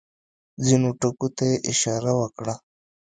ځینو ټکو ته یې اشاره وکړه.